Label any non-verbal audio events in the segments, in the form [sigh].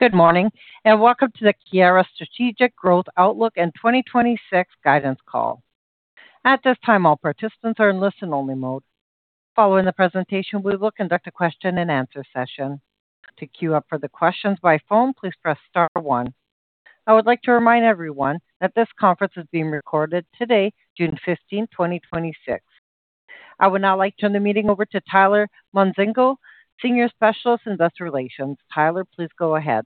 Good morning, welcome to the Keyera strategic growth outlook and 2026 guidance call. At this time, all participants are in listen-only mode. Following the presentation, we will conduct a question-and-answer session. To queue up for the questions by phone, please press star one. I would like to remind everyone that this conference is being recorded today, June 15th, 2026. I would now like to turn the meeting over to Tyler Monzingo, Senior Specialist, Investor Relations. Tyler, please go ahead.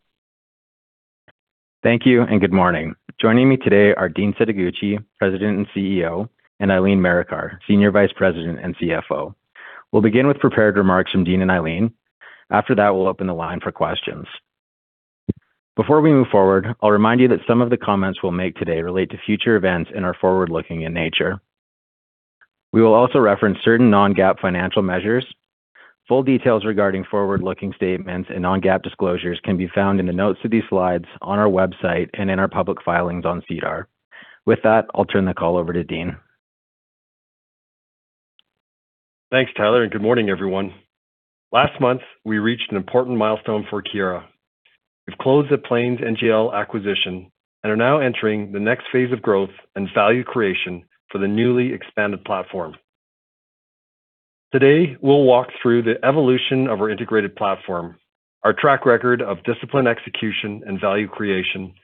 Thank you, good morning. Joining me today are Dean Setoguchi, President and CEO, and Eileen Marikar, Senior Vice President and CFO. We'll begin with prepared remarks from Dean and Eileen. After that, we'll open the line for questions. Before we move forward, I'll remind you that some of the comments we'll make today relate to future events and are forward-looking in nature. We will also reference certain non-GAAP financial measures. Full details regarding forward-looking statements and non-GAAP disclosures can be found in the notes to these slides, on our website, and in our public filings on SEDAR. With that, I'll turn the call over to Dean. Thanks, Tyler, good morning, everyone. Last month, we reached an important milestone for Keyera. We've closed the Plains NGL acquisition and are now entering the next phase of growth and value creation for the newly expanded platform. Today, we'll walk through the evolution of our integrated platform, our track record of disciplined execution and value creation,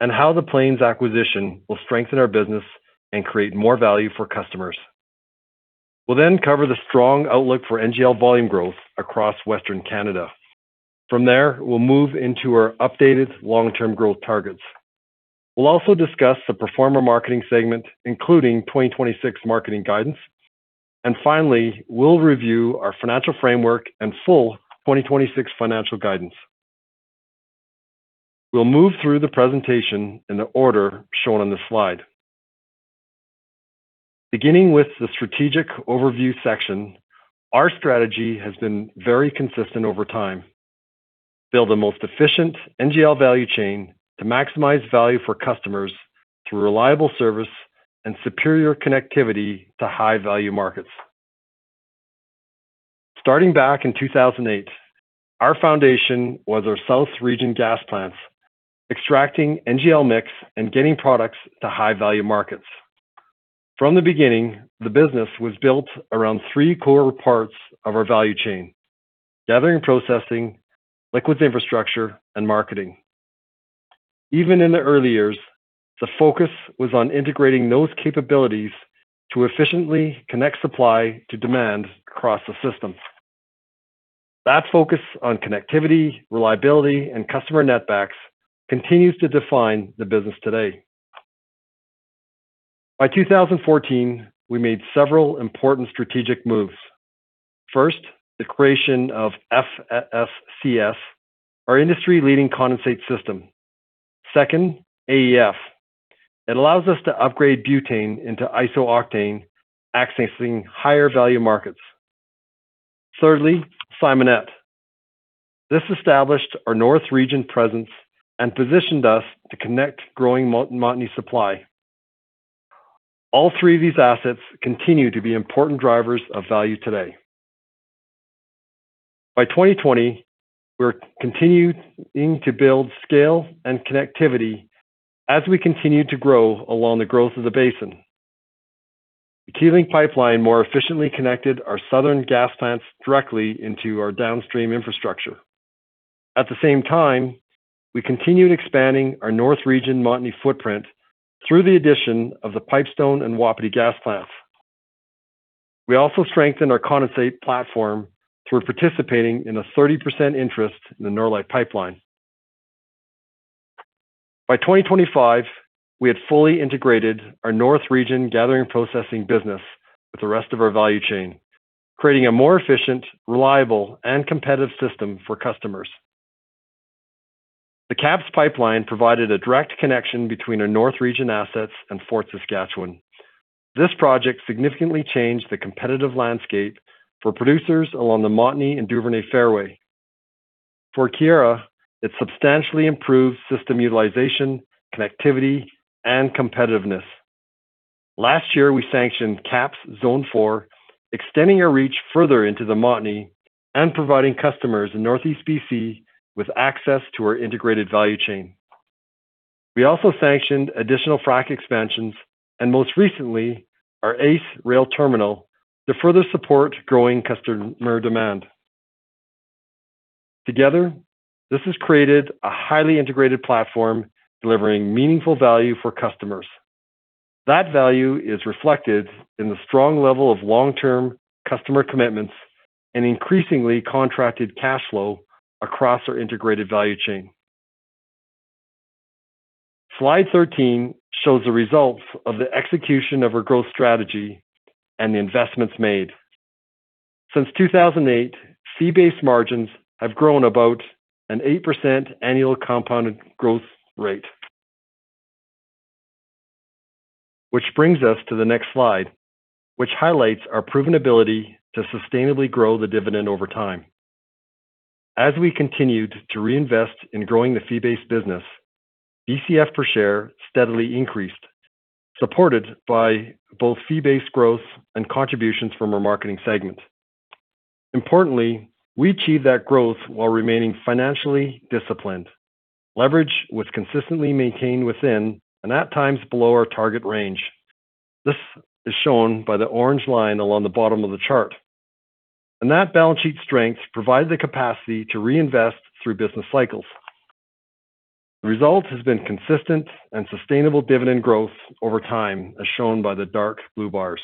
and how the Plains acquisition will strengthen our business and create more value for customers. We'll then cover the strong outlook for NGL volume growth across Western Canada. From there, we'll move into our updated long-term growth targets. We'll also discuss the pro forma Marketing segment, including 2026 Marketing guidance. Finally, we'll review our financial framework and full 2026 financial guidance. We'll move through the presentation in the order shown on this slide. Beginning with the strategic overview section, our strategy has been very consistent over time. Build the most efficient NGL value chain to maximize value for customers through reliable service and superior connectivity to high-value markets. Starting back in 2008, our foundation was our south region gas plants, extracting NGL mix and getting products to high-value markets. From the beginning, the business was built around three core parts of our value chain: Gathering and Processing, Liquids Infrastructure, and Marketing. Even in the early years, the focus was on integrating those capabilities to efficiently connect supply to demand across the systems. That focus on connectivity, reliability, and customer netbacks continues to define the business today. By 2014, we made several important strategic moves. First, the creation of FSCS, our industry-leading condensate system. Second, AEF. It allows us to upgrade butane into isooctane, accessing higher value markets. Thirdly, Simonette. This established our north region presence and positioned us to connect growing Montney supply. All three of these assets continue to be important drivers of value today. By 2020, we were continuing to build scale and connectivity as we continued to grow along the growth of the basin. The Keylink pipeline more efficiently connected our southern gas plants directly into our downstream infrastructure. At the same time, we continued expanding our north region Montney footprint through the addition of the Pipestone and Wapiti gas plants. We also strengthened our condensate platform through participating in a 30% interest in the Norlite pipeline. By 2025, we had fully integrated our north region Gathering and Processing business with the rest of our value chain, creating a more efficient, reliable and competitive system for customers. The KAPS pipeline provided a direct connection between our north region assets and Fort Saskatchewan. This project significantly changed the competitive landscape for producers along the Montney and Duvernay fairway. For Keyera, it substantially improved system utilization, connectivity, and competitiveness. Last year, we sanctioned KAPS Zone 4, extending our reach further into the Montney and providing customers in Northeast B.C. with access to our integrated value chain. We also sanctioned additional frac expansions and most recently, our ACE Rail Terminal to further support growing customer demand. Together, this has created a highly integrated platform delivering meaningful value for customers. That value is reflected in the strong level of long-term customer commitments and increasingly contracted cash flow across our integrated value chain. Slide 13 shows the results of the execution of our growth strategy and the investments made. Since 2008, fee-based margins have grown about an 8% annual compounded growth rate. Which brings us to the next slide, which highlights our proven ability to sustainably grow the dividend over time. As we continued to reinvest in growing the fee-based business, ECF per share steadily increased, supported by both fee-based growth and contributions from our Marketing segment. Importantly, we achieve that growth while remaining financially disciplined. Leverage was consistently maintained within and at times below our target range. This is shown by the orange line along the bottom of the chart. That balance sheet strength provides the capacity to reinvest through business cycles. The result has been consistent and sustainable dividend growth over time, as shown by the dark blue bars.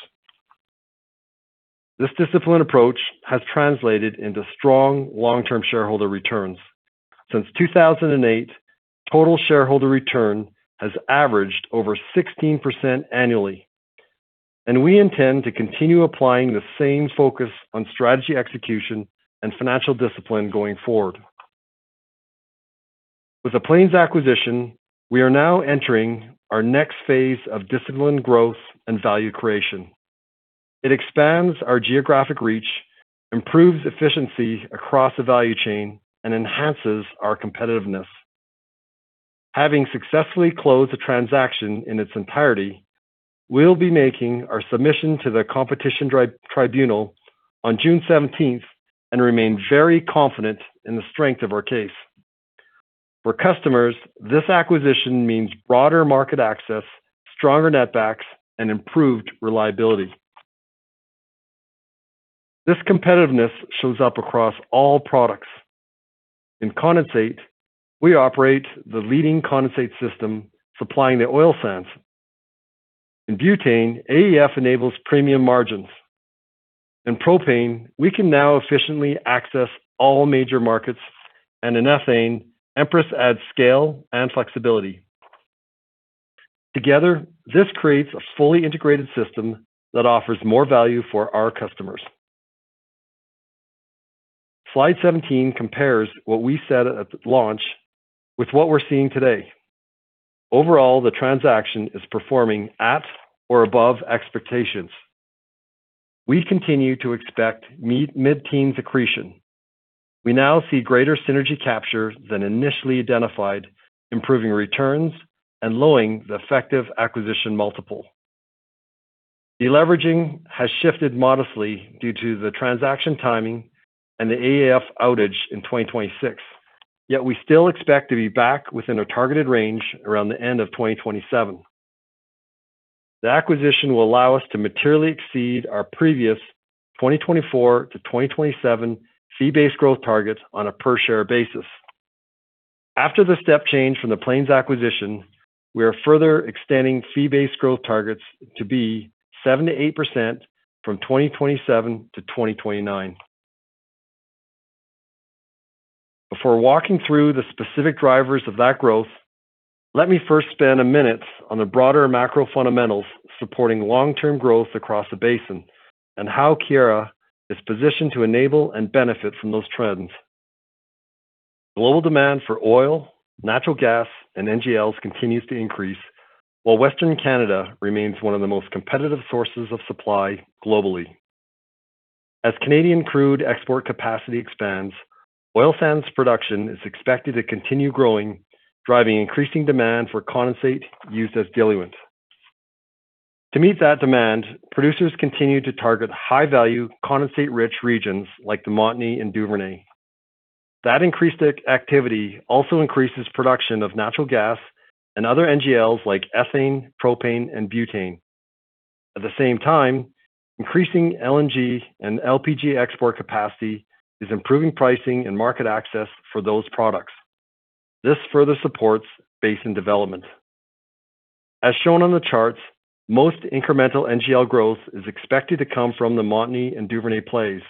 This disciplined approach has translated into strong long-term shareholder returns. Since 2008, total shareholder return has averaged over 16% annually. We intend to continue applying the same focus on strategy execution and financial discipline going forward. With the Plains acquisition, we are now entering our next phase of disciplined growth and value creation. It expands our geographic reach, improves efficiency across the value chain, and enhances our competitiveness. Having successfully closed the transaction in its entirety, we'll be making our submission to the Competition Tribunal on June 17th and remain very confident in the strength of our case. For customers, this acquisition means broader market access, stronger netbacks and improved reliability. This competitiveness shows up across all products. In condensate, we operate the leading condensate system supplying the oil sands. In butane, AEF enables premium margins. In propane, we can now efficiently access all major markets. In ethane, Empress adds scale and flexibility. Together, this creates a fully integrated system that offers more value for our customers. Slide 17 compares what we said at launch with what we're seeing today. Overall, the transaction is performing at or above expectations. We continue to expect mid-teens accretion. We now see greater synergy capture than initially identified, improving returns and lowering the effective acquisition multiple. Deleveraging has shifted modestly due to the transaction timing and the AEF outage in 2026. Yet we still expect to be back within our targeted range around the end of 2027. The acquisition will allow us to materially exceed our previous 2024-2027 fee-based growth targets on a per-share basis. After the step change from the Plains acquisition, we are further extending fee-based growth targets to be 7%-8% from 2027-2029. Before walking through the specific drivers of that growth, let me first spend a minute on the broader macro fundamentals supporting long-term growth across the basin and how Keyera is positioned to enable and benefit from those trends. Global demand for oil, natural gas, and NGLs continues to increase, while Western Canada remains one of the most competitive sources of supply globally. As Canadian crude export capacity expands, oil sands production is expected to continue growing, driving increasing demand for condensate used as diluent. To meet that demand, producers continue to target high-value, condensate-rich regions like the Montney and Duvernay. That increased activity also increases production of natural gas and other NGLs like ethane, propane and butane. At the same time, increasing LNG and LPG export capacity is improving pricing and market access for those products. This further supports basin development. As shown on the charts, most incremental NGL growth is expected to come from the Montney and Duvernay plays,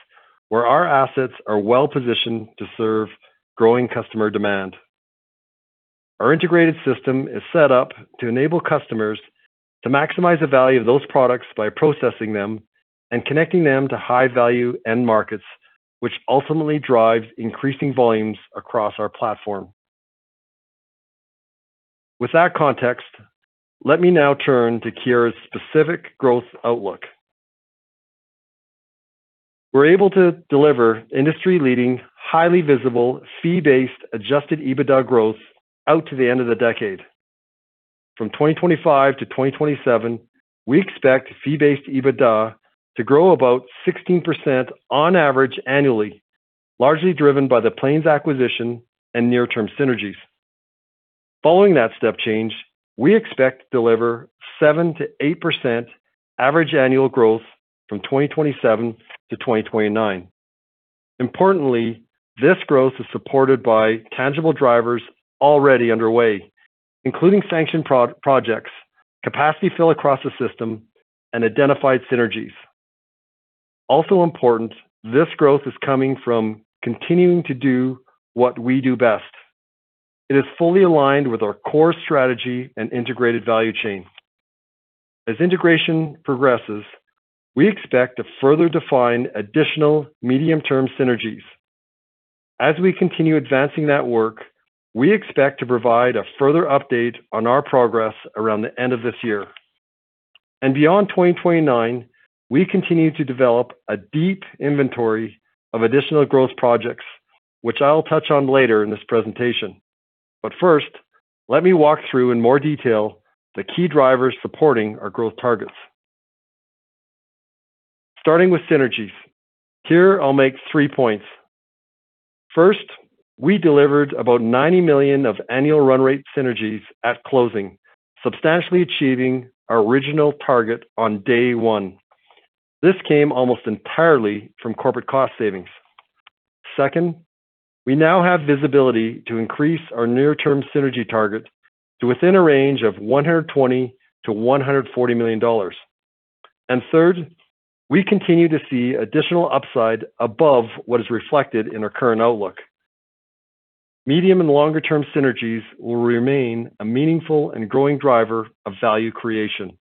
where our assets are well positioned to serve growing customer demand. Our integrated system is set up to enable customers to maximize the value of those products by processing them and connecting them to high-value end markets, which ultimately drives increasing volumes across our platform. With that context, let me now turn to Keyera's specific growth outlook. We're able to deliver industry-leading, highly visible, fee-based adjusted EBITDA growth out to the end of the decade. From 2025-2027, we expect fee-based EBITDA to grow about 16% on average annually, largely driven by the Plains acquisition and near-term synergies. Following that step change, we expect to deliver 7%-8% average annual growth from 2027-2029. Importantly, this growth is supported by tangible drivers already underway, including sanctioned projects, capacity fill across the system, and identified synergies. Also important, this growth is coming from continuing to do what we do best. It is fully aligned with our core strategy and integrated value chain. As integration progresses, we expect to further define additional medium-term synergies. As we continue advancing that work, we expect to provide a further update on our progress around the end of this year. Beyond 2029, we continue to develop a deep inventory of additional growth projects, which I'll touch on later in this presentation. First, let me walk through in more detail the key drivers supporting our growth targets. Starting with synergies. Here, I'll make three points. First, we delivered about 90 million of annual run rate synergies at closing, substantially achieving our original target on day one. This came almost entirely from corporate cost savings. Second, we now have visibility to increase our near-term synergy target to within a range of 120 million-140 million dollars. Third, we continue to see additional upside above what is reflected in our current outlook. Medium and longer-term synergies will remain a meaningful and growing driver of value creation.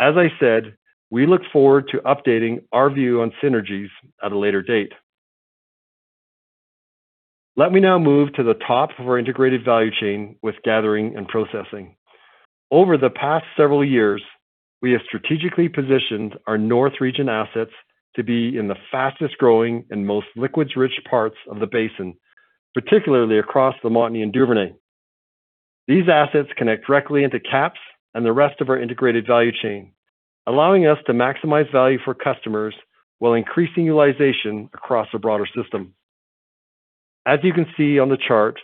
As I said, we look forward to updating our view on synergies at a later date. Let me now move to the top of our integrated value chain with Gathering and Processing. Over the past several years, we have strategically positioned our North Region assets to be in the fastest-growing and most liquids-rich parts of the basin, particularly across the Montney and Duvernay. These assets connect directly into KAPS and the rest of our integrated value chain, allowing us to maximize value for customers while increasing utilization across a broader system. As you can see on the chart,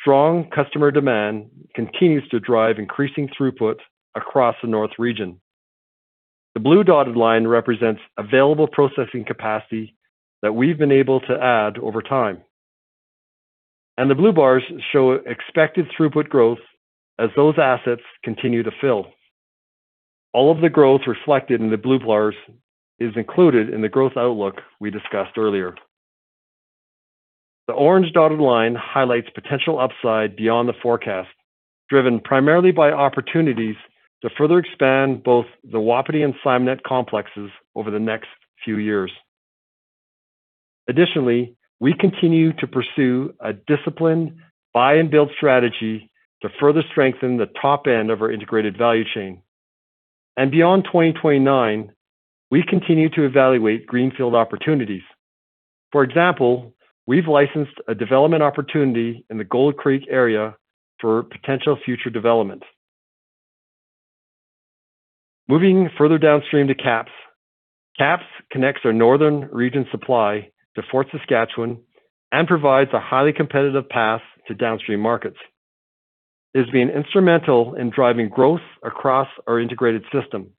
strong customer demand continues to drive increasing throughput across the North Region. The blue dotted line represents available processing capacity that we've been able to add over time, and the blue bars show expected throughput growth as those assets continue to fill. All of the growth reflected in the blue bars is included in the growth outlook we discussed earlier. The orange dotted line highlights potential upside beyond the forecast, driven primarily by opportunities to further expand both the Wapiti and Simonette complexes over the next few years. Additionally, we continue to pursue a disciplined buy-and-build strategy to further strengthen the top end of our integrated value chain. Beyond 2029, we continue to evaluate greenfield opportunities. For example, we've licensed a development opportunity in the Gold Creek area for potential future development. Moving further downstream to KAPS. KAPS connects our North Region supply to Fort Saskatchewan and provides a highly competitive path to downstream markets. It has been instrumental in driving growth across our integrated system.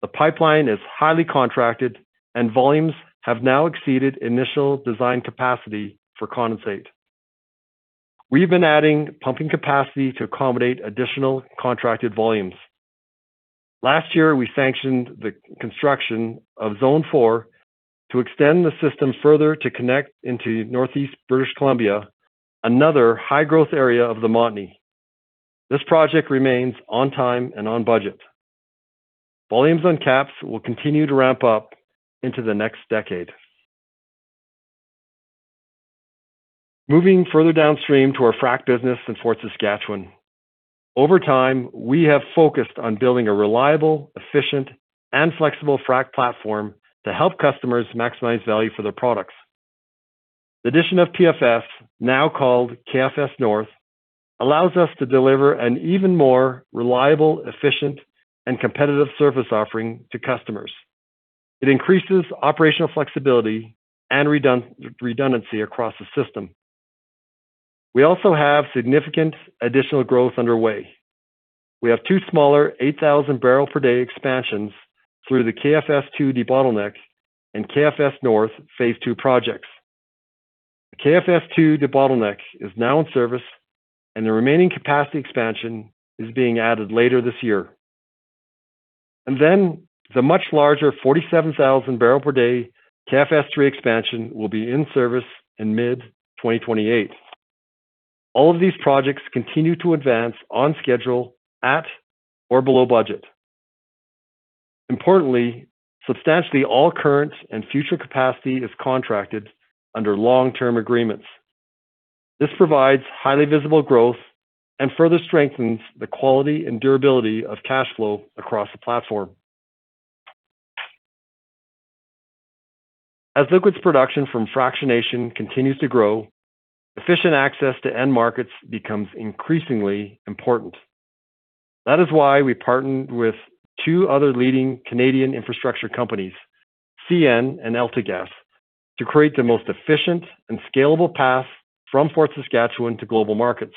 The pipeline is highly contracted, and volumes have now exceeded initial design capacity for condensate. We've been adding pumping capacity to accommodate additional contracted volumes. Last year, we sanctioned the construction of Zone 4 to extend the system further to connect into Northeast British Columbia, another high-growth area of the Montney. This project remains on time and on budget. Volumes on KAPS will continue to ramp up into the next decade. Moving further downstream to our frac business in Fort Saskatchewan. Over time, we have focused on building a reliable, efficient, and flexible frac platform to help customers maximize value for their products. The addition of PFS, now called KFS North, allows us to deliver an even more reliable, efficient, and competitive service offering to customers. It increases operational flexibility and redundancy across the system. We also have significant additional growth underway. We have two smaller 8,000-barrel-per-day expansions through the KFS 2 debottleneck and KFS North Phase 2 projects. The KFS 2 debottleneck is now in service, and the remaining capacity expansion is being added later this year. Then the much larger 47,000-barrel-per-day KFS 3 expansion will be in service in mid-2028. All of these projects continue to advance on schedule at or below budget. Importantly, substantially all current and future capacity is contracted under long-term agreements. This provides highly visible growth and further strengthens the quality and durability of cash flow across the platform. As liquids production from fractionation continues to grow, efficient access to end markets becomes increasingly important. That is why we partnered with two other leading Canadian infrastructure companies, CN and AltaGas, to create the most efficient and scalable path from Fort Saskatchewan to global markets.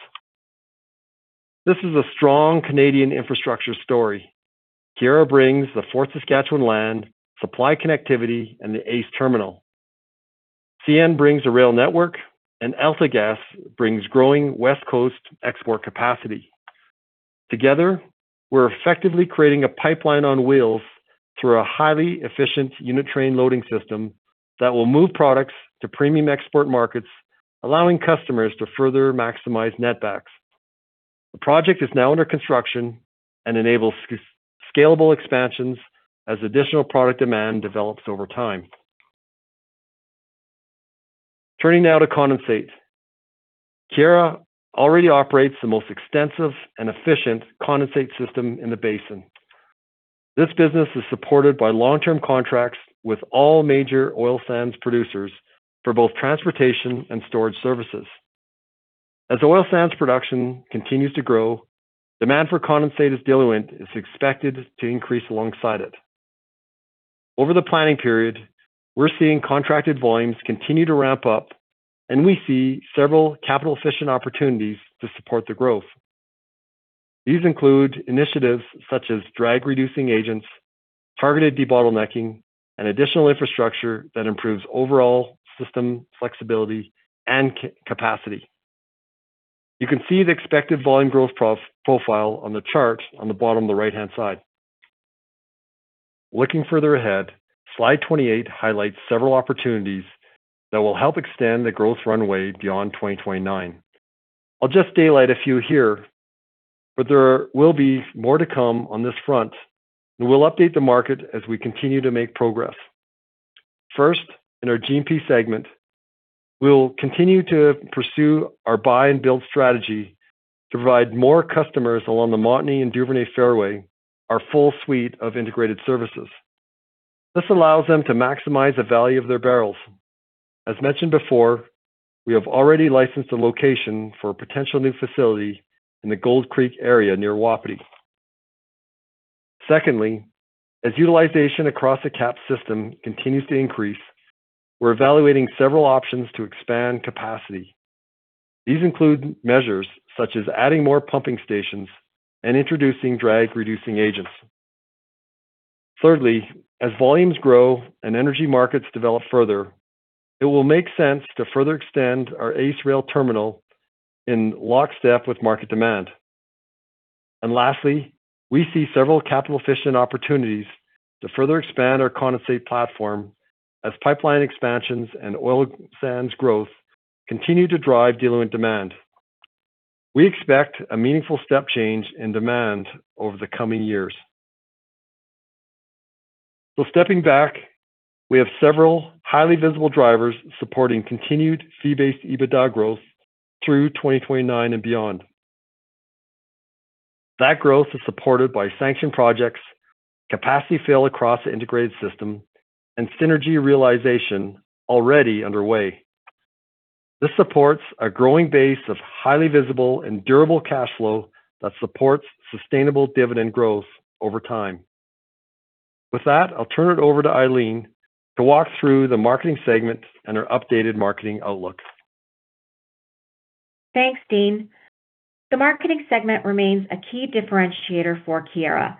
This is a strong Canadian infrastructure story. Keyera brings the Fort Saskatchewan land, supply connectivity, and the ACE Rail Terminal. CN brings a rail network. AltaGas brings growing West Coast export capacity. Together, we're effectively creating a pipeline on wheels through a highly efficient unit train loading system that will move products to premium export markets, allowing customers to further maximize netbacks. The project is now under construction and enables scalable expansions as additional product demand develops over time. Turning now to condensate. Keyera already operates the most extensive and efficient condensate system in the basin. This business is supported by long-term contracts with all major oil sands producers for both transportation and storage services. As oil sands production continues to grow, demand for condensate as diluent is expected to increase alongside it. Over the planning period, we're seeing contracted volumes continue to ramp up, we see several capital-efficient opportunities to support the growth. These include initiatives such as drag-reducing agents, targeted debottlenecking, and additional infrastructure that improves overall system flexibility and capacity. You can see the expected volume growth profile on the chart on the bottom, the right-hand side. Looking further ahead, slide 28 highlights several opportunities that will help extend the growth runway beyond 2029. I'll just daylight a few here, there will be more to come on this front, we'll update the market as we continue to make progress. First, in our G&P segment, we'll continue to pursue our buy-and-build strategy to provide more customers along the Montney and Duvernay fairway, our full suite of integrated services. This allows them to maximize the value of their barrels. As mentioned before, we have already licensed a location for a potential new facility in the Gold Creek area near Wapiti. Secondly, as utilization across the KAPS system continues to increase, we're evaluating several options to expand capacity. These include measures such as adding more pumping stations and introducing drag-reducing agents. Thirdly, as volumes grow and energy markets develop further, it will make sense to further extend our ACE Rail Terminal in lockstep with market demand. Lastly, we see several capital-efficient opportunities to further expand our condensate platform as pipeline expansions and oil sands growth continue to drive diluent demand. We expect a meaningful step change in demand over the coming years. Stepping back, we have several highly visible drivers supporting continued fee-based EBITDA growth through 2029 and beyond. That growth is supported by sanctioned projects, capacity fill across the integrated system, and synergy realization already underway. This supports a growing base of highly visible and durable cash flow that supports sustainable dividend growth over time. With that, I'll turn it over to Eileen to walk through the Marketing segment and our updated Marketing outlook. Thanks, Dean. The Marketing segment remains a key differentiator for Keyera.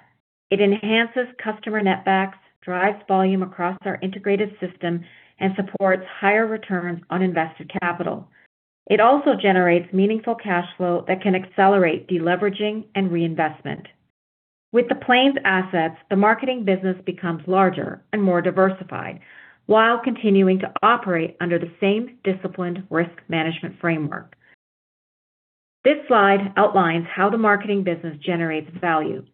It enhances customer netbacks, drives volume across our integrated system, and supports higher returns on invested capital. It also generates meaningful cash flow that can accelerate deleveraging and reinvestment. With the Plains assets, the Marketing business becomes larger and more diversified while continuing to operate under the same disciplined risk management framework. This slide outlines how the Marketing business generates value.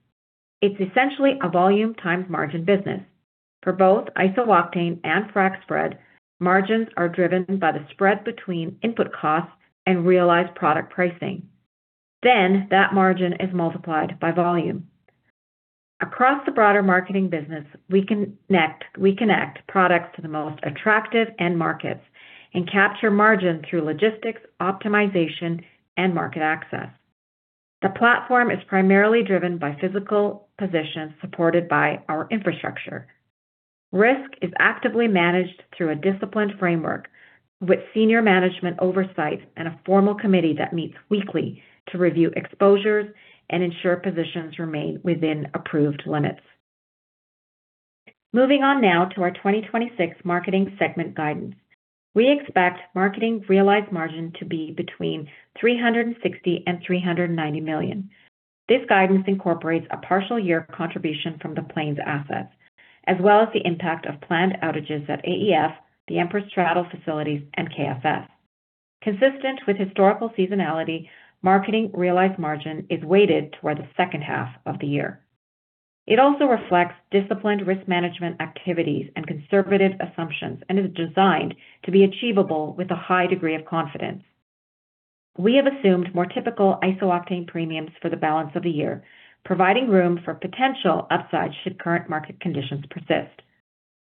It's essentially a volume times margin business. For both isooctane and frac spread, margins are driven by the spread between input costs and realized product pricing. That margin is multiplied by volume. Across the broader Marketing business, we connect products to the most attractive end markets and capture margin through logistics, optimization, and market access. The platform is primarily driven by physical positions supported by our infrastructure. Risk is actively managed through a disciplined framework with senior management oversight and a formal committee that meets weekly to review exposures and ensure positions remain within approved limits. Moving on now to our 2026 Marketing segment guidance. We expect Marketing realized margin to be between 360 million and 390 million. This guidance incorporates a partial year contribution from the Plains assets, as well as the impact of planned outages at AEF, the Empress straddle facilities, and KFS. Consistent with historical seasonality, Marketing realized margin is weighted toward the second half of the year. It also reflects disciplined risk management activities and conservative assumptions and is designed to be achievable with a high degree of confidence. We have assumed more typical isooctane premiums for the balance of the year, providing room for potential upside should current market conditions persist.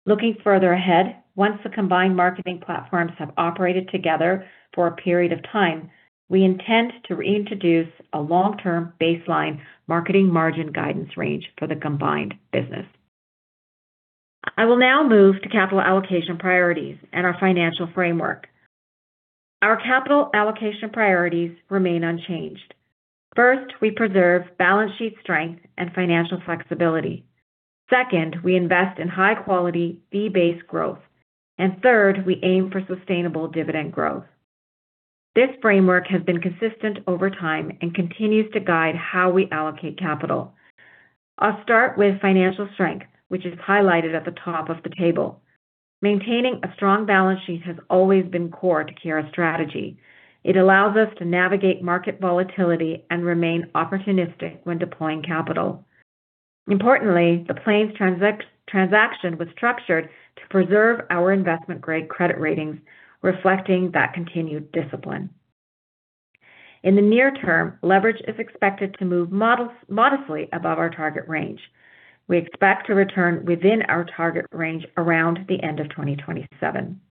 Looking further ahead, once the combined Marketing platforms have operated together for a period of time, we intend to reintroduce a long-term baseline Marketing margin guidance range for the combined business. I will now move to capital allocation priorities and our financial framework. Our capital allocation priorities remain unchanged. First, we preserve balance sheet strength and financial flexibility. Second, we invest in high-quality, fee-based growth. Third, we aim for sustainable dividend growth. This framework has been consistent over time and continues to guide how we allocate capital. I'll start with financial strength, which is highlighted at the top of the table. Maintaining a strong balance sheet has always been core to Keyera's strategy. It allows us to navigate market volatility and remain opportunistic when deploying capital. Importantly, the Plains transaction was structured to preserve our investment-grade credit ratings, reflecting that continued discipline. In the near term, leverage is expected to move modestly above our target range. We expect to return within our target range around the end of 2027.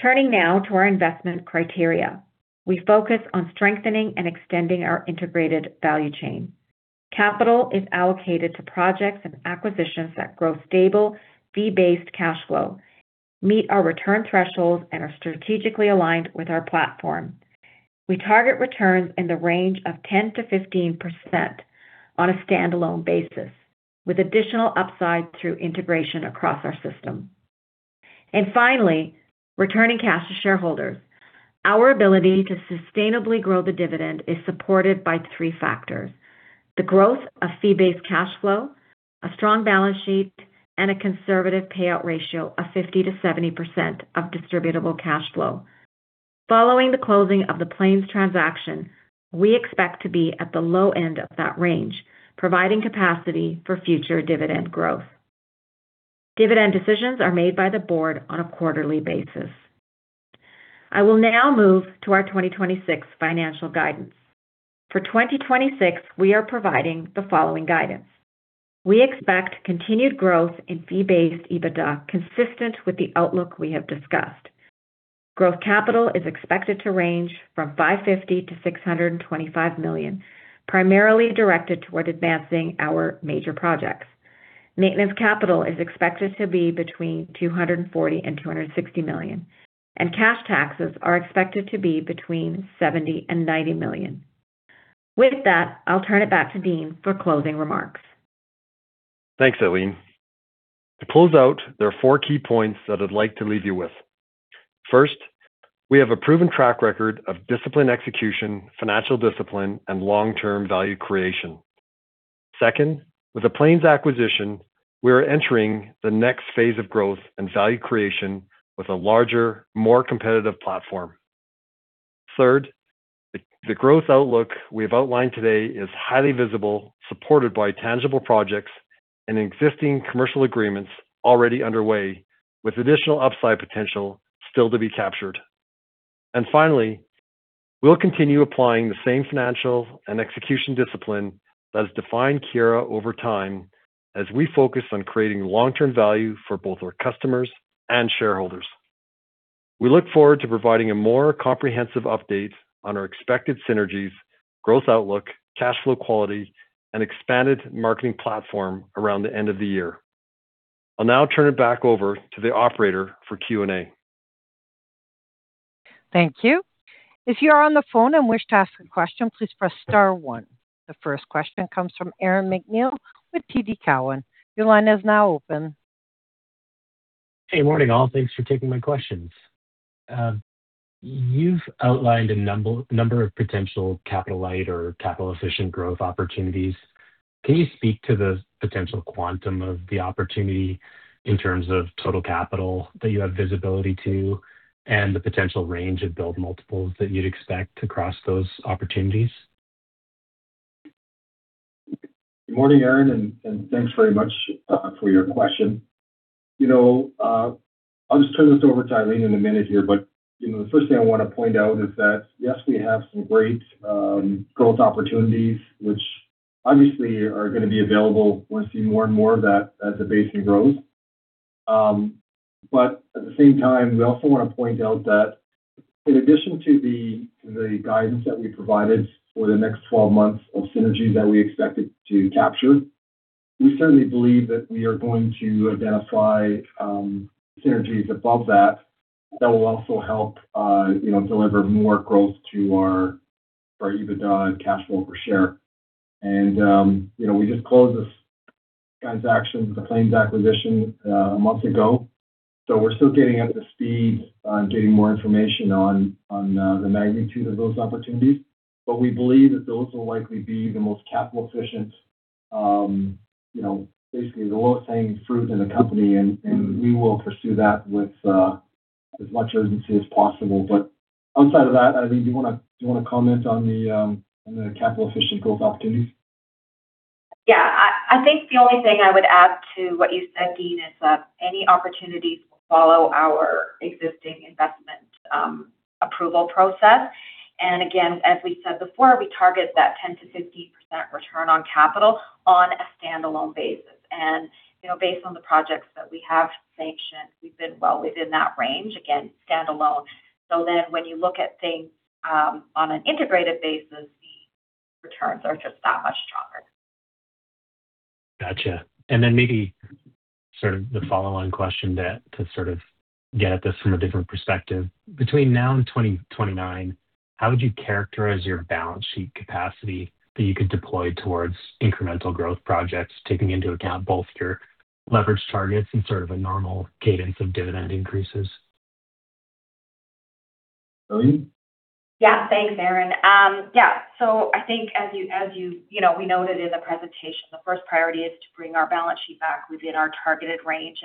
Turning now to our investment criteria. We focus on strengthening and extending our integrated value chain. Capital is allocated to projects and acquisitions that grow stable, fee-based cash flow, meet our return thresholds, and are strategically aligned with our platform. We target returns in the range of 10%-15% on a standalone basis, with additional upside through integration across our system. Finally, returning cash to shareholders. Our ability to sustainably grow the dividend is supported by three factors: the growth of fee-based cash flow, a strong balance sheet, and a conservative payout ratio of 50%-70% of distributable cash flow. Following the closing of the Plains transaction, we expect to be at the low end of that range, providing capacity for future dividend growth. Dividend decisions are made by the Board on a quarterly basis. I will now move to our 2026 financial guidance. For 2026, we are providing the following guidance. We expect continued growth in fee-based EBITDA consistent with the outlook we have discussed. Growth capital is expected to range from 550 million-625 million, primarily directed toward advancing our major projects. Maintenance capital is expected to be between 240 million and 260 million, and cash taxes are expected to be between 70 million and 90 million. With that, I will turn it back to Dean for closing remarks. Thanks, Eileen. To close out, there are four key points that I would like to leave you with. First, we have a proven track record of disciplined execution, financial discipline, and long-term value creation. Second, with the Plains acquisition, we are entering the next phase of growth and value creation with a larger, more competitive platform. Third, the growth outlook we have outlined today is highly visible, supported by tangible projects and existing commercial agreements already underway, with additional upside potential still to be captured. Finally, we will continue applying the same financial and execution discipline that has defined Keyera over time as we focus on creating long-term value for both our customers and shareholders. We look forward to providing a more comprehensive update on our expected synergies, growth outlook, cash flow quality, and expanded Marketing platform around the end of the year. I will now turn it back over to the operator for Q&A. Thank you. If you are on the phone and wish to ask a question, please press star one. The first question comes from Aaron MacNeil with TD Cowen. Your line is now open. Morning all. Thanks for taking my questions. You've outlined a number of potential capital-light or capital-efficient growth opportunities. Can you speak to the potential quantum of the opportunity in terms of total capital that you have visibility to and the potential range of build multiples that you'd expect across those opportunities? Morning, Aaron, thanks very much for your question. I'll just turn this over to Eileen in a minute here. The first thing I want to point out is that, yes, we have some great growth opportunities, which obviously are going to be available. We'll see more and more of that as the basin grows. At the same time, we also want to point out that in addition to the guidance that we provided for the next 12 months of synergies that we expected to capture, we certainly believe that we are going to identify synergies above that that will also help deliver more growth to our EBITDA and cash flow per share. We just closed this transaction, the Plains acquisition, a month ago. We're still getting up to speed on getting more information on the magnitude of those opportunities. We believe that those will likely be the most capital efficient, basically the lowest hanging fruit in the company, and we will pursue that with as much urgency as possible. Outside of that, Eileen, do you want to comment on the capital-efficient growth opportunities? Yeah. I think the only thing I would add to what you said, Dean, is that any opportunities will follow our existing investment approval process. Again, as we said before, we target that 10%-15% return on capital on a standalone basis. Based on the projects that we have sanctioned, we've been well within that range, again, standalone. When you look at things on an integrated basis, the returns are just that much stronger. Got you. Maybe sort of the follow-on question to sort of get at this from a different perspective. Between now and 2029, how would you characterize your balance sheet capacity that you could deploy towards incremental growth projects, taking into account both your leverage targets and sort of a normal cadence of dividend increases? Eileen? Thanks, Aaron. I think as we noted in the presentation, the first priority is to bring our balance sheet back within our targeted range.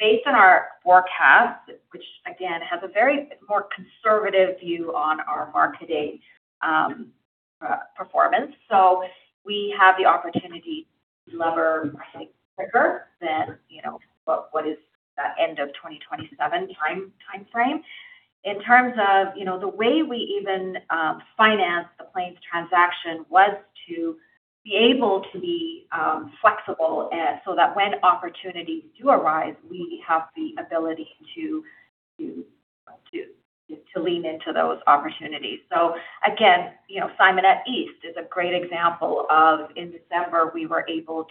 Based on our forecast, which again, has a very more conservative view on our Marketing performance. We have the opportunity to lever, I think, quicker than what is that end of 2027 timeframe. In terms of the way we even financed the Plains transaction was to be able to be flexible so that when opportunities do arise, we have the ability to lean into those opportunities. Again, Simonette East is a great example of, in December, that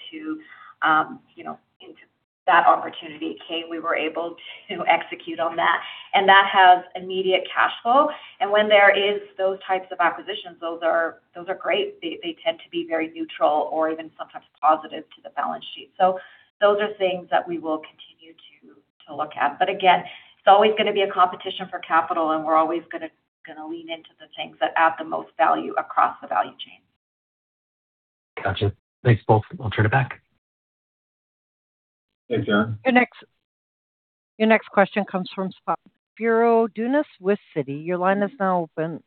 opportunity came, we were able to execute on that, and that has immediate cash flow. When there is those types of acquisitions, those are great. They tend to be very neutral or even sometimes positive to the balance sheet. Those are things that we will continue to look at. Again, it's always going to be a competition for capital, and we're always going to lean into the things that add the most value across the value chain. Gotcha. Thanks, folks. I'll turn it back. Thanks, Aaron. Your next question comes from Spiro Dounis with Citi. Your line is now open.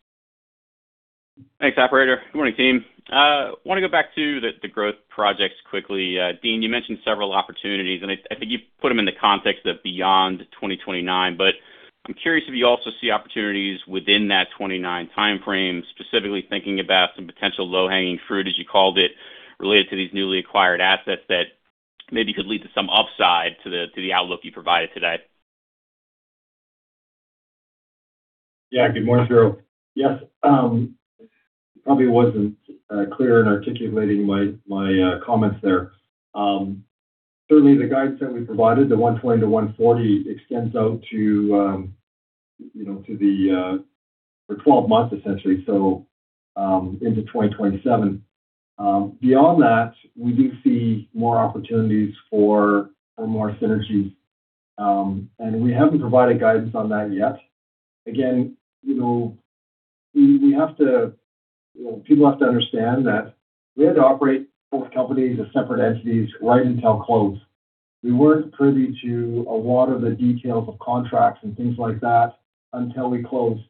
Thanks, operator. Good morning, team. I want to go back to the growth projects quickly. Dean, you mentioned several opportunities, I think you put them in the context of beyond 2029, I'm curious if you also see opportunities within that 2029 timeframe, specifically thinking about some potential low-hanging fruit, as you called it, related to these newly acquired assets that maybe could lead to some upside to the outlook you provided today. Yeah. Good morning, Spiro. Yes. Probably wasn't clear in articulating my comments there. Certainly, the guidance that we provided, the 120 million-140 million extends out for 12 months, essentially, so into 2027. We haven't provided guidance on that yet. Again, people have to understand that we had to operate both companies as separate entities right until close. We weren't privy to a lot of the details of contracts and things like that until we closed.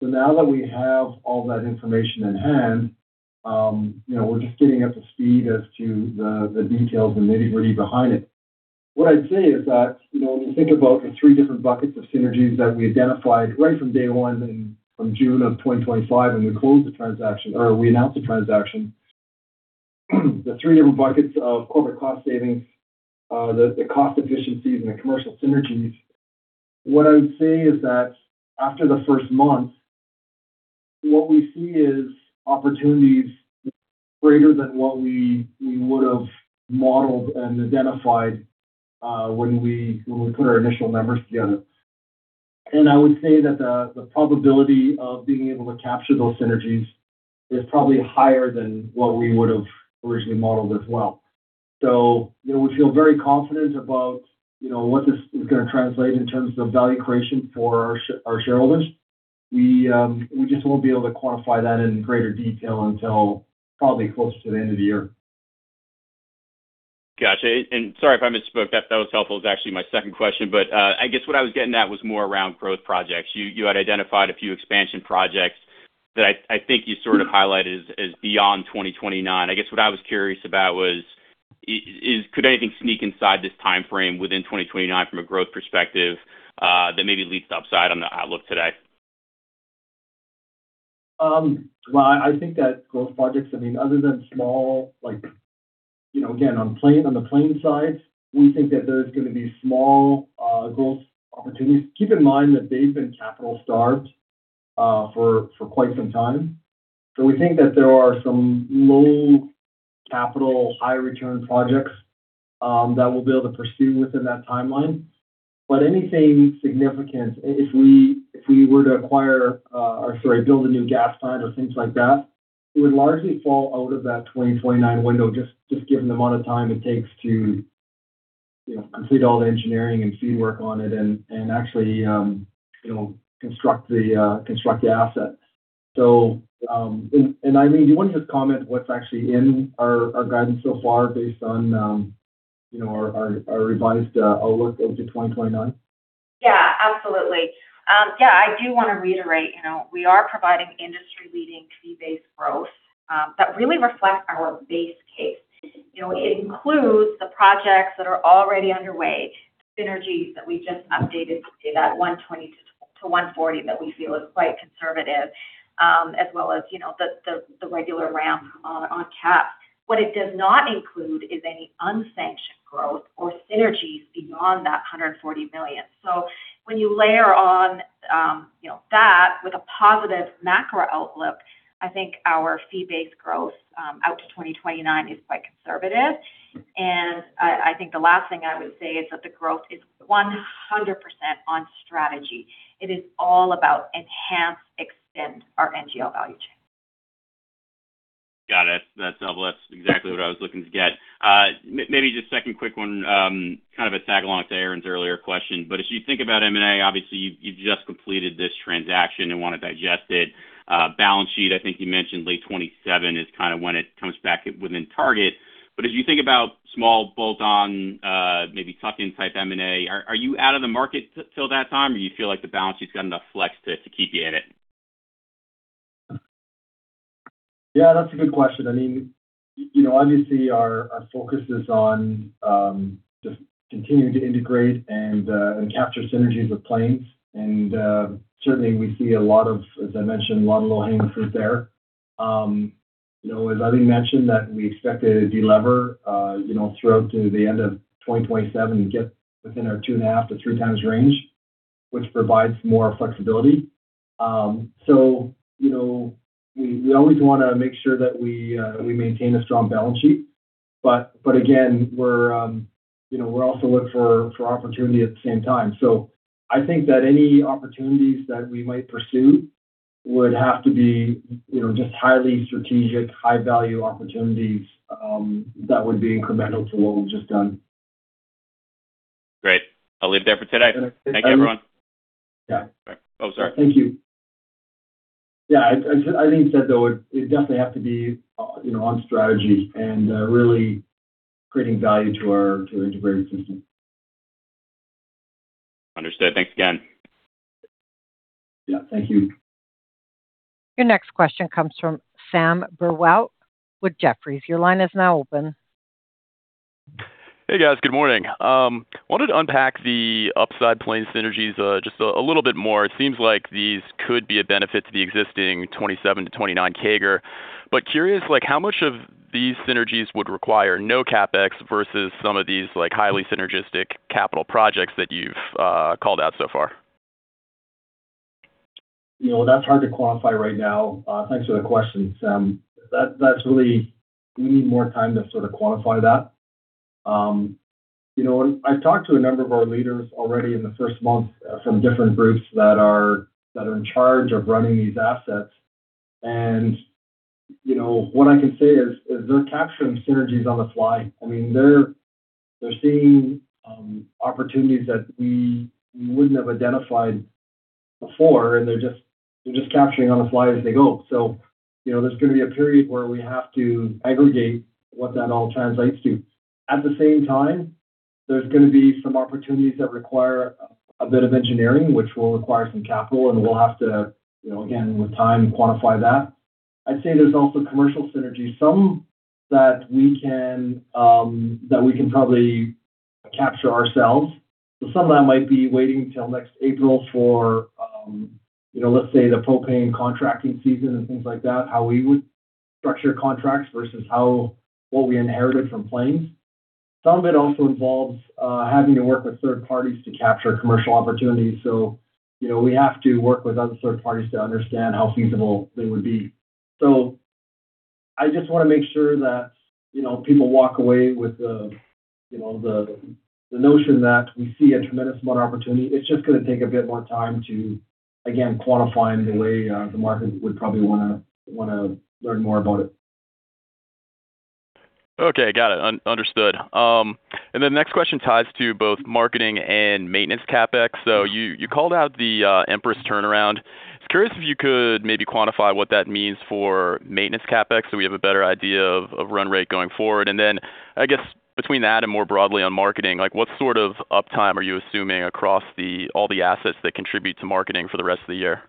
Now that we have all that information in hand, we're just getting up to speed as to the details and nitty-gritty behind it. When you think about the three different buckets of synergies that we identified right from day one, from June 2025 when we closed the transaction or we announced the transaction, the three different buckets of corporate cost savings, the cost efficiencies and the commercial synergies. After the first month, what we see is opportunities greater than what we would've modeled and identified when we put our initial numbers together. I would say that the probability of being able to capture those synergies is probably higher than what we would've originally modeled as well. We feel very confident about what this is going to translate in terms of value creation for our shareholders. We just won't be able to quantify that in greater detail until probably closer to the end of the year. Gotcha. Sorry if I misspoke. That was helpful, it was actually my second question, I guess what I was getting at was more around growth projects. You had identified a few expansion projects that I think you sort of highlighted as beyond 2029. I guess what I was curious about was, could anything sneak inside this timeframe within 2029 from a growth perspective that maybe leads to upside on the outlook today? I think that growth projects, other than small, again, on the Plains side, we think that there's going to be small growth opportunities. Keep in mind that they've been capital-starved for quite some time. We think that there are some low-capital, high-return projects that we'll be able to pursue within that timeline. Anything significant, if we were to acquire or, sorry, build a new gas plant or things like that, it would largely fall out of that 2029 window, just given the amount of time it takes to complete all the engineering and feed work on it and actually construct the asset. Eileen, do you want to just comment what's actually in our guidance so far based on our revised outlook out to 2029? Absolutely. I do want to reiterate, we are providing industry-leading fee-based growth that really reflects our base case. It includes the projects that are already underway, synergies that we just updated to that 120 million-140 million that we feel is quite conservative, as well as the regular ramp on KAPS. What it does not include is any unsanctioned growth or synergies beyond that 140 million. When you layer on that with a positive macro outlook, I think our fee-based growth out to 2029 is quite conservative. I think the last thing I would say is that the growth is 100% on strategy. It is all about enhance, extend our NGL value chain. Got it. That's helpful. That's exactly what I was looking to get. Maybe just a second quick one, kind of a tag-along to Aaron's earlier question. As you think about M&A, obviously, you've just completed this transaction and want to digest it. Balance sheet, I think you mentioned late 2027 is kind of when it comes back within target. As you think about small bolt-on, maybe tuck-in type M&A, are you out of the market till that time, or you feel like the balance sheet's got enough flex to keep you in it? That's a good question. Obviously, our focus is on just continuing to integrate and capture synergies with Plains. Certainly, we see, as I mentioned, a lot of low-hanging fruit there. As Eileen mentioned, that we expect to delever throughout to the end of 2027 to get within our 2.5x-3x range, which provides more flexibility. We always want to make sure that we maintain a strong balance sheet. Again, we also look for opportunity at the same time. I think that any opportunities that we might pursue would have to be just highly strategic, high-value opportunities that would be incremental to what we've just done. Great. I'll leave it there for today. Thank you, everyone. Yeah. Oh, sorry. Thank you. Yeah, as Eileen said, though, it'd definitely have to be on strategy and really creating value to our integrated system. Understood. Thanks again. Yeah. Thank you. Your next question comes from Sam Burwell with Jefferies. Your line is now open. Hey, guys. Good morning. Wanted to unpack the upside Plains synergies just a little bit more. It seems like these could be a benefit to the existing 2027-2029 CAGR. Curious, how much of these synergies would require no CapEx versus some of these highly synergistic capital projects that you've called out so far? That's hard to quantify right now. Thanks for the question, Sam. We need more time to sort of quantify that. I've talked to a number of our leaders already in the first month from different groups that are in charge of running these assets. What I can say is, they're capturing synergies on the fly. They're seeing opportunities that we wouldn't have identified before, and they're just capturing on the fly as they go. There's going to be a period where we have to aggregate what that all translates to. At the same time, there's going to be some opportunities that require a bit of engineering, which will require some capital and we'll have to, again, with time, quantify that. I'd say there's also commercial synergies, some that we can probably capture ourselves. Some of that might be waiting till next April for, let's say the propane contracting season and things like that, how we would structure contracts versus what we inherited from Plains. Some of it also involves having to work with third parties to capture commercial opportunities, we have to work with other third parties to understand how feasible they would be. I just want to make sure that people walk away with the notion that we see a tremendous amount of opportunity. It's just going to take a bit more time to, again, quantify in the way the market would probably want to learn more about it. Okay. Got it. Understood. Next question ties to both Marketing and maintenance CapEx. You called out the Empress turnaround. I was curious if you could maybe quantify what that means for maintenance CapEx so we have a better idea of run rate going forward. I guess between that and more broadly on Marketing, what sort of uptime are you assuming across all the assets that contribute to Marketing for the rest of the year?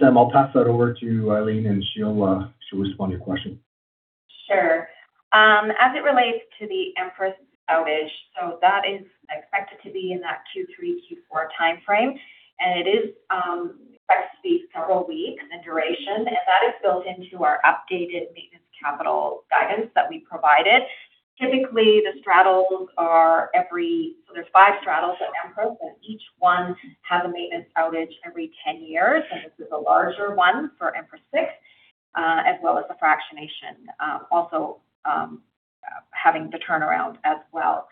Sam, I'll pass that over to Eileen, she'll respond to your question. Sure. As it relates to the Empress outage, that is expected to be in that Q3, Q4 timeframe, it is expected to be several weeks in duration, that is built into our updated maintenance capital guidance that we provided. Typically, the straddles are every—there's five straddles at Empress, each one has a maintenance outage every 10 years, this is a larger one for Empress 6, as well as the fractionation also having the turnaround as well.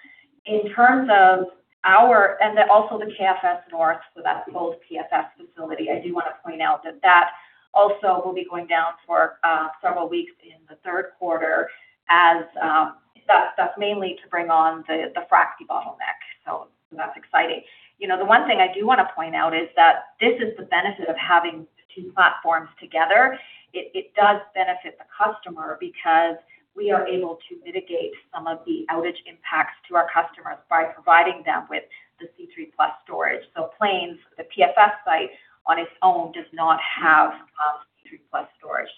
Also the KFS North, that's the old PFS facility. I do want to point out that that also will be going down for several weeks in the third quarter, as that's mainly to bring on the frac debottleneck. That's exciting. The one thing I do want to point out is that this is the benefit of having two platforms together. It does benefit the customer because we are able to mitigate some of the outage impacts to our customers by providing them with the C3+ storage. Plains, the PFS site on its own, does not have C3+ storage.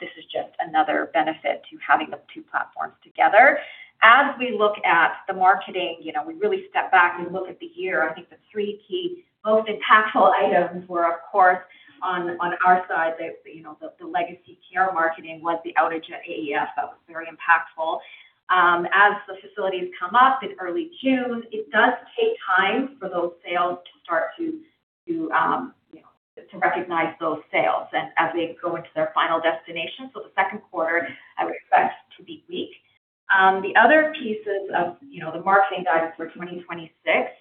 This is just another benefit to having the two platforms together. As we look at the Marketing, we really step back and look at the year. I think the three key most impactful items were, of course, on our side, the legacy Keyera Marketing was the outage at AEF. That was very impactful. As the facilities come up in early Q, it does take time for those sales to start to recognize those sales and as they go into their final destination. The second quarter, I would expect to be weak. The other pieces of the Marketing guidance for 2026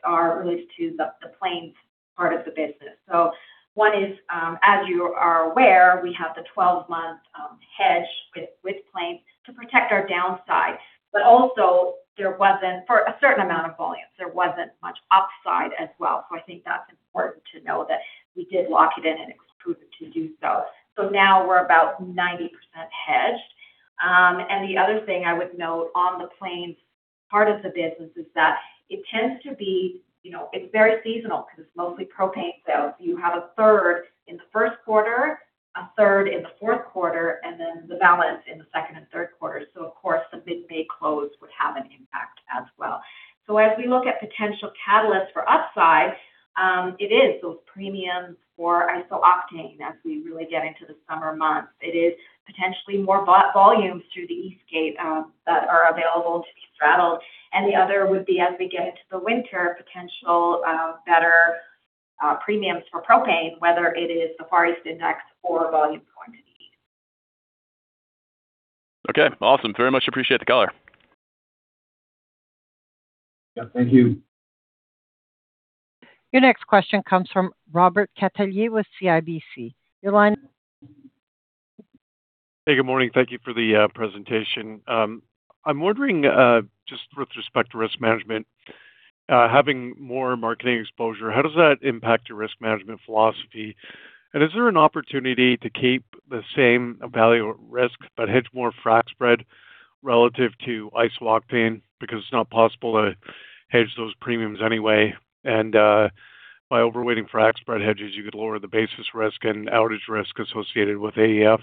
are related to the Plains part of the business. One is, as you are aware, we have the 12-month hedge with Plains to protect our downside. Also, for a certain amount of volumes, there wasn't much upside as well. I think that's important to know that we did lock it in and it's proven to do so. Now we're about 90% hedged. The other thing I would note on the Plains part of the business is that it tends to be very seasonal because it's mostly propane. You have a third in the first quarter, a third in the fourth quarter, and then the balance in the second and third quarters. Of course, the mid-May close would have an impact as well. As we look at potential catalysts for upside, it is those premiums for isooctane as we really get into the summer months. It is potentially more bought volumes through the Eastgate that are available to be throttled. The other would be, as we get into the winter, potential better premiums for propane, whether it is the Far East Index or volumes going to the East. Okay, awesome. Very much appreciate the color. Yeah, thank you. Your next question comes from Robert Catellier with CIBC. Your line is [inaudible] Hey, good morning. Thank you for the presentation. I'm wondering, just with respect to risk management, having more Marketing exposure, how does that impact your risk management philosophy? Is there an opportunity to keep the same value at risk, but hedge more frac spread relative to isooctane? Because it's not possible to hedge those premiums anyway. By overweighting frac spread hedges, you could lower the basis risk and outage risk associated with AEF.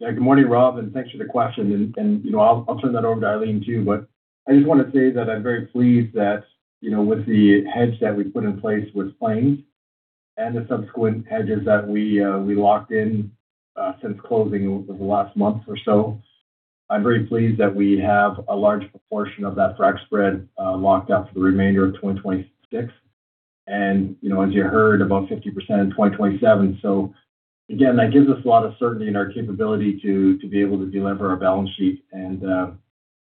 Yeah. Good morning, Rob, thanks for the question. I'll turn that over to Eileen too, but I just want to say that I'm very pleased that with the hedge that we put in place with Plains and the subsequent hedges that we locked in since closing over the last month or so, I'm very pleased that we have a large proportion of that frac spread locked up for the remainder of 2026. As you heard, about 50% in 2027. Again, that gives us a lot of certainty in our capability to be able to deliver our balance sheet and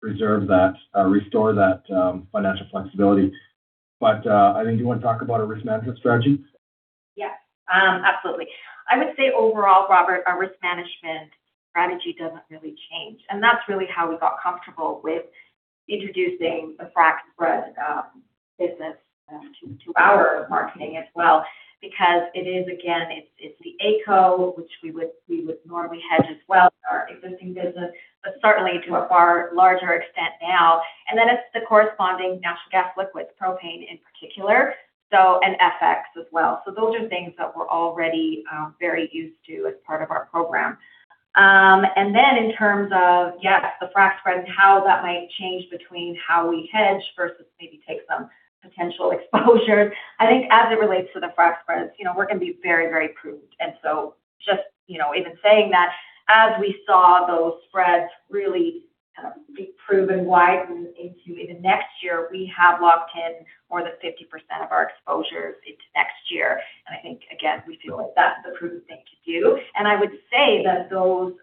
reserve that, restore that financial flexibility. Eileen, do you want to talk about our risk management strategy? Yes. Absolutely. I would say overall, Robert, our risk management strategy doesn't really change. That's really how we got comfortable with introducing the frac spread business to our Marketing as well. Because it is, again, it's the AECO, which we would normally hedge as well with our existing business, but certainly to a far larger extent now. Then it's the corresponding natural gas liquids, propane in particular, so, and FX as well. Those are things that we're already very used to as part of our program. Then in terms of, yes, the frac spreads, how that might change between how we hedge versus maybe take some potential exposure, I think as it relates to the frac spreads, we're going to be very prudent. Just even saying that as we saw those spreads really be proven widened into even next year, we have locked in more than 50% of our exposures into next year. I think, again, we feel like that's the prudent thing to do. I would say that those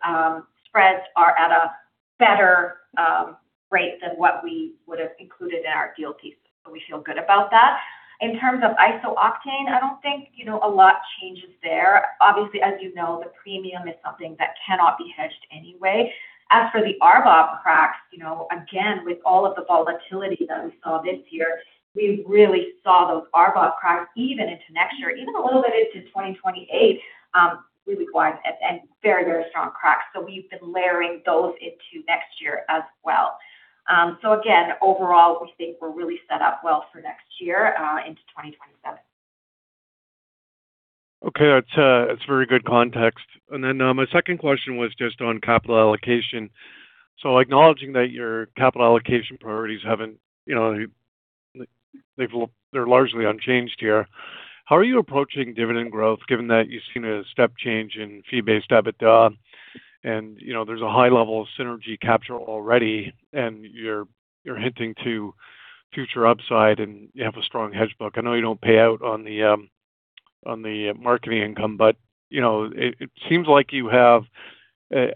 spreads are at a better rate than what we would've included in our deal piece. We feel good about that. In terms of isooctane, I don't think a lot changes there. Obviously, as you know, the premium is something that cannot be hedged anyway. As for the RBOB cracks, again, with all of the volatility that we saw this year, we really saw those RBOB cracks even into next year, even a little bit into 2028. Really wide and very strong cracks. We've been layering those into next year as well. Again, overall, we think we're really set up well for next year, into 2027. Okay. That's very good context. Then, my second question was just on capital allocation. Acknowledging that your capital allocation priorities, they're largely unchanged here. How are you approaching dividend growth given that you've seen a step change in fee-based EBITDA and there's a high level of synergy capture already and you're hinting to future upside and you have a strong hedge book? I know you don't pay out on the Marketing income, it seems like you have at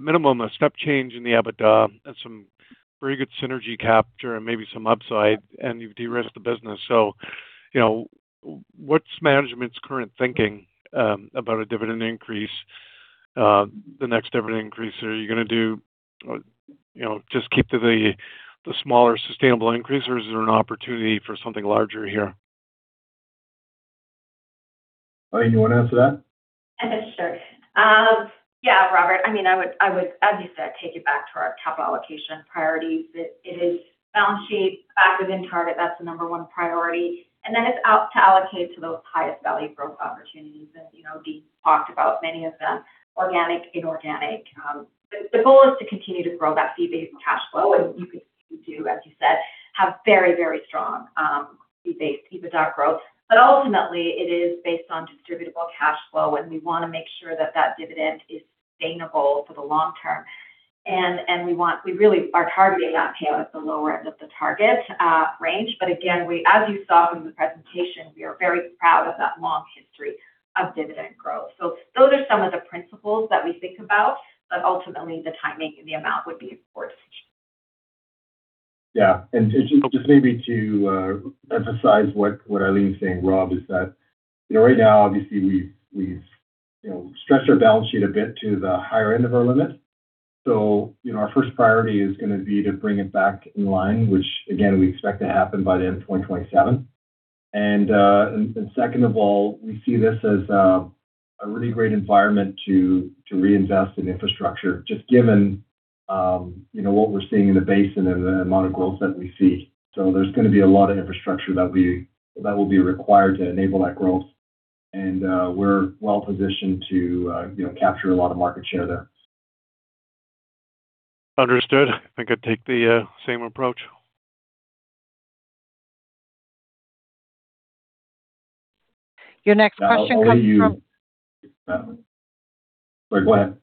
minimum, a step change in the EBITDA and some very good synergy capture and maybe some upside and you've de-risked the business. What's management's current thinking about a dividend increase, the next dividend increase? Are you going to just keep to the smaller sustainable increase or is there an opportunity for something larger here? Eileen, do you want to answer that? I can start. Yeah, Robert, as you said, take it back to our capital allocation priorities. It is balance sheet back within target. That's the number 1 priority. Then it's out to allocate to those highest value growth opportunities. Dean talked about many of them, organic, inorganic. The goal is to continue to grow that fee-based cash flow. You continue to, as you said, have very strong fee-based EBITDA growth. Ultimately it is based on distributable cash flow and we want to make sure that dividend is sustainable for the long term. We really are targeting that payout at the lower end of the target range. Again, as you saw from the presentation, we are very proud of that long history of dividend growth. Those are some of the principles that we think about, ultimately the timing and the amount would be important. Yeah. Just maybe to emphasize what Eileen's saying, Rob, is that right now, obviously we've stretched our balance sheet a bit to the higher end of our limit. Our first priority is going to be to bring it back in line, which again, we expect to happen by the end of 2027. Second of all, we see this as a really great environment to reinvest in infrastructure, just given what we're seeing in the basin and the amount of growth that we see. There's going to be a lot of infrastructure that will be required to enable that growth, and we're well positioned to capture a lot of market share there. Understood. I think I'd take the same approach. Your next question comes from— Sorry, go ahead.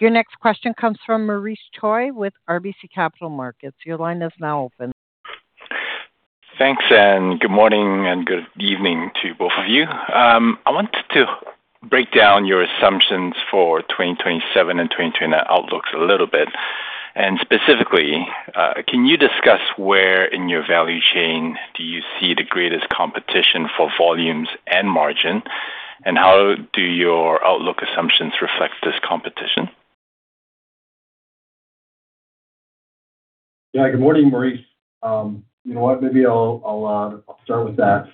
Your next question comes from Maurice Choy with RBC Capital Markets. Your line is now open. Thanks, good morning and good evening to both of you. I wanted to break down your assumptions for 2027 and 2029 outlooks a little bit. Specifically, can you discuss where in your value chain do you see the greatest competition for volumes and margin? How do your outlook assumptions reflect this competition? Yeah. Good morning, Maurice. You know what? Maybe I'll start with that.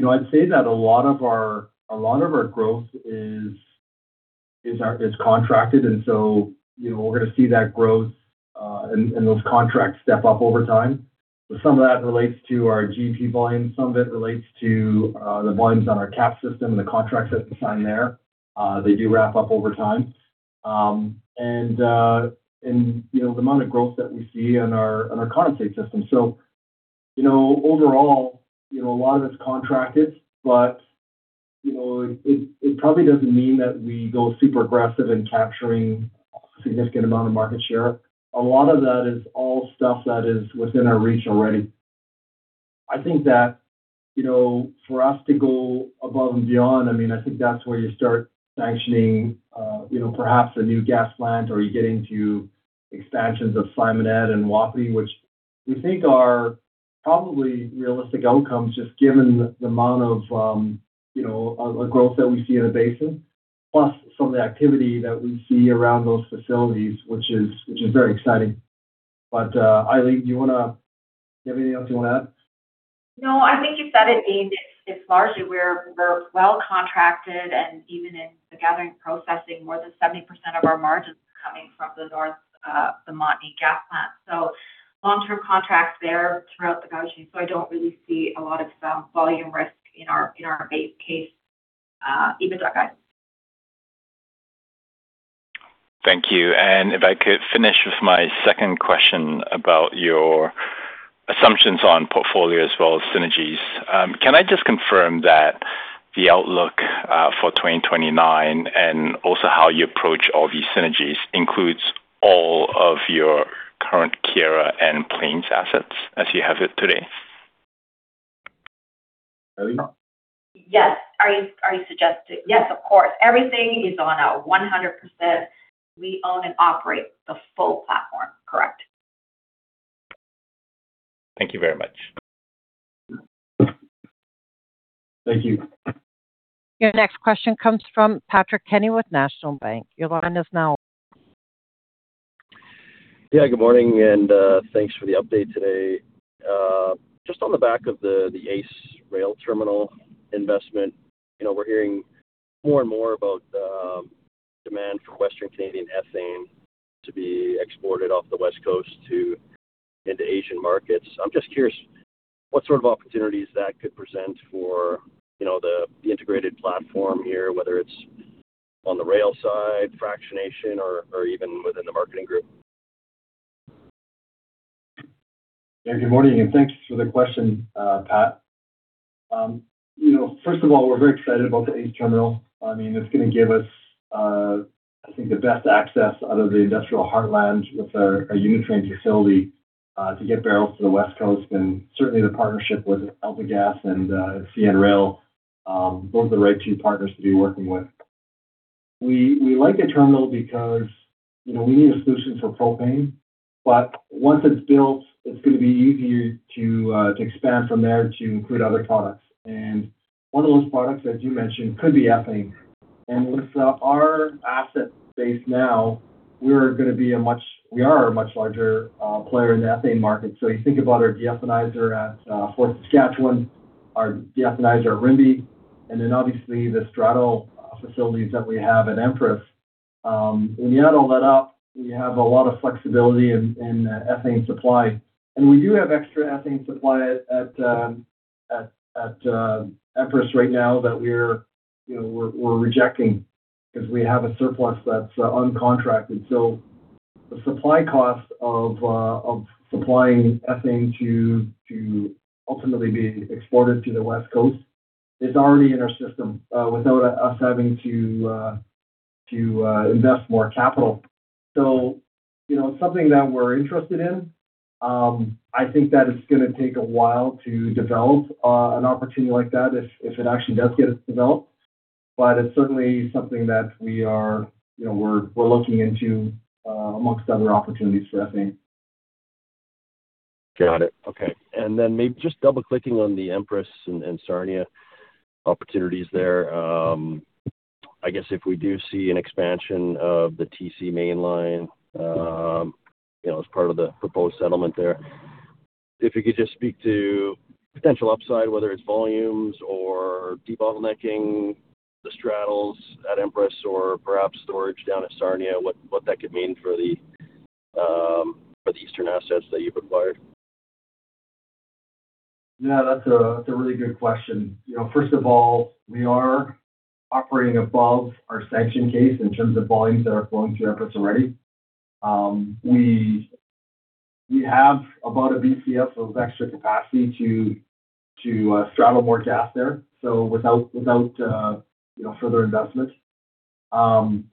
I'd say that a lot of our growth is contracted, we're going to see that growth and those contracts step up over time. Some of that relates to our G&P volume. Some of it relates to the volumes on our KAPS system and the contracts that's assigned there. They do ramp up over time. The amount of growth that we see in our condensate system. Overall, a lot of it's contracted, but it probably doesn't mean that we go super aggressive in capturing a significant amount of market share. A lot of that is all stuff that is within our reach already. I think that for us to go above and beyond, I think that's where you start sanctioning perhaps a new gas plant, or you get into expansions of Simonette and Wapiti, which we think are probably realistic outcomes, just given the amount of growth that we see in a basin, plus some of the activity that we see around those facilities, which is very exciting. Eileen, do you have anything else you want to add? No, I think you said it, Dean. It's largely we're well contracted, and even in the gathering processing, more than 70% of our margins are coming from the Montney gas plant. Long-term contracts there throughout the value chain. I don't really see a lot of volume risk in our base case, even with that guide. Thank you. If I could finish with my second question about your assumptions on portfolio as well as synergies. Can I just confirm that the outlook for 2029 and also how you approach all these synergies includes all of your current Keyera and Plains assets as you have it today? Eileen? Yes. Yes, of course. Everything is on a 100%, we own and operate the full platform. Correct. Thank you very much. Thank you. Your next question comes from Patrick Kenny with National Bank. Your line is now open. Yeah, good morning. Thanks for the update today. Just on the back of the ACE Rail Terminal investment. We're hearing more and more about the demand for Western Canadian ethane to be exported off the West Coast into Asian markets. I'm just curious what sort of opportunities that could present for the integrated platform here, whether it's on the rail side, fractionation, or even within the Marketing group. Yeah, good morning. Thanks for the question, Pat. First of all, we're very excited about the ACE Terminal. It's going to give us I think the best access out of the industrial heartland with our unit train facility to get barrels to the West Coast. Certainly the partnership with AltaGas and CN Rail, those are the right two partners to be working with. We like the terminal because we need a solution for propane. Once it's built, it's going to be easier to expand from there to include other products. One of those products, as you mentioned, could be ethane. With our asset base now, we are a much larger player in the ethane market. You think about our deethanizer at Fort Saskatchewan, our deethanizer at Rimbey, and then obviously the straddle facilities that we have at Empress. When you add all that up, we have a lot of flexibility in ethane supply. We do have extra ethane supply at Empress right now that we're rejecting because we have a surplus that's uncontracted. The supply cost of supplying ethane to ultimately be exported to the West Coast is already in our system without us having to invest more capital. It's something that we're interested in. I think that it's going to take a while to develop an opportunity like that if it actually does get developed. It's certainly something that we're looking into amongst other opportunities for ethane. Got it. Okay. Maybe just double-clicking on the Empress and Sarnia opportunities there. I guess if we do see an expansion of the TC Mainline, as part of the proposed settlement there. If you could just speak to potential upside, whether it's volumes or debottlenecking the straddles at Empress or perhaps storage down at Sarnia, what that could mean for the Eastern assets that you've acquired. Yeah, that's a really good question. First of all, we are operating above our sanction case in terms of volumes that are flowing through Empress already. We have about a BCF of extra capacity to straddle more gas there, so without further investment.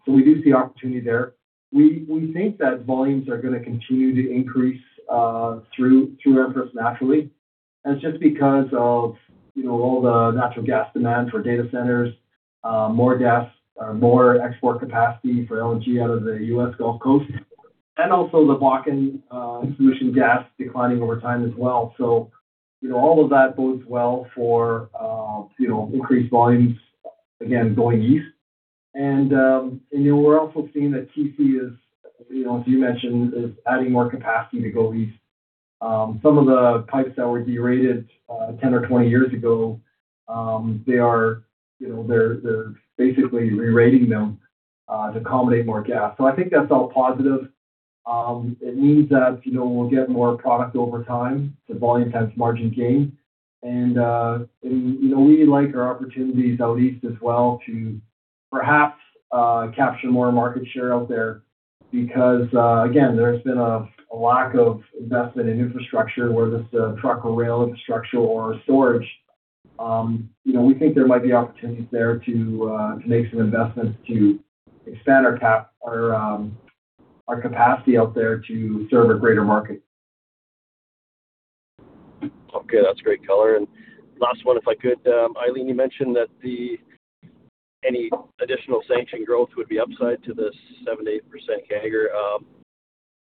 We do see opportunity there. We think that volumes are going to continue to increase through Empress naturally, and it's just because of all the natural gas demand for data centers, more export capacity for LNG out of the U.S. Gulf Coast, and also the Bakken solution gas declining over time as well. All of that bodes well for increased volumes, again, going east. We're also seeing that TC is, as you mentioned, is adding more capacity to go east. Some of the pipes that were derated 10 or 20 years ago, they're basically re-rating them to accommodate more gas. I think that's all positive. It means that we'll get more product over time, the volume times margin gain. We like our opportunities out east as well to perhaps capture more market share out there because, again, there's been a lack of investment in infrastructure, whether it's truck or rail infrastructure or storage. We think there might be opportunities there to make some investments to expand our capacity out there to serve a greater market. Okay. That's great color. Last one, if I could. Eileen, you mentioned that any additional sanction growth would be upside to this 7%-8% CAGR.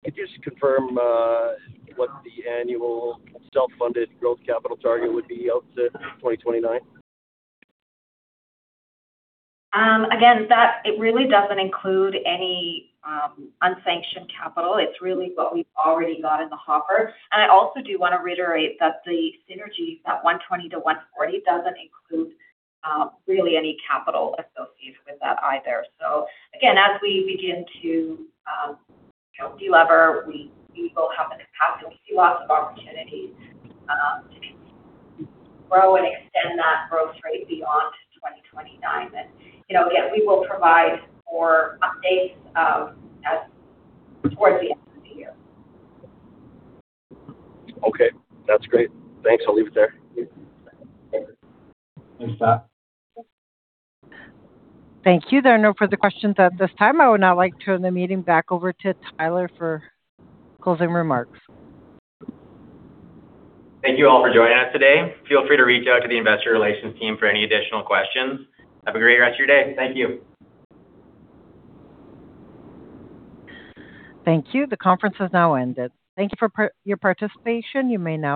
Could you just confirm what the annual self-funded growth capital target would be out to 2029? It really doesn't include any unsanctioned capital. It's really what we've already got in the hopper. I also do want to reiterate that the synergies, that 120 million-140 million, doesn't include really any capital associated with that either. As we begin to delever, we will have the capacity. We see lots of opportunities to continue to grow and extend that growth rate beyond 2029. Again, we will provide more updates towards the end of the year. That's great. Thanks. I'll leave it there. Thanks, Pat. Thank you. There are no further questions at this time. I would now like to turn the meeting back over to Tyler for closing remarks. Thank you all for joining us today. Feel free to reach out to the investor relations team for any additional questions. Have a great rest of your day. Thank you. Thank you. The conference has now ended. Thank you for your participation. You may now disconnect.